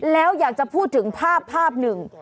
แล้วอยากจะพูดถึงภาพภาพหนึ่ง